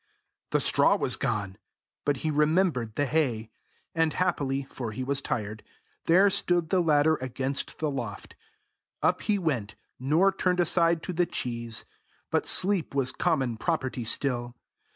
The straw was gone! But he remembered the hay. And happily, for he was tired, there stood the ladder against the loft. Up he went, nor turned aside to the cheese; but sleep was common property still.